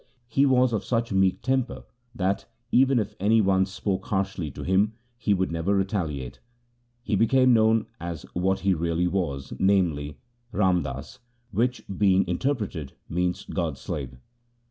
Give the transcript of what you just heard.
He was of such meek temper that, even if any one spoke harshly to him, he would never retaliate. He became known as what he really was, namely, Ram Das, which being interpreted means God's slave.